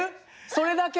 それだけ？